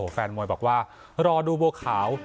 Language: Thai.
แฟนมวยบอกว่ารอดูบัวขาว